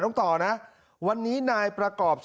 มึงอยากให้ผู้ห่างติดคุกหรอ